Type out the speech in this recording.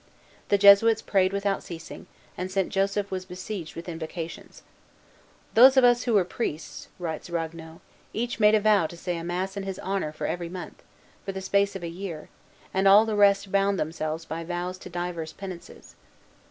The Jesuits prayed without ceasing, and Saint Joseph was besieged with invocations. "Those of us who were priests," writes Ragueneau, "each made a vow to say a mass in his honor every month, for the space of a year; and all the rest bound themselves by vows to divers penances."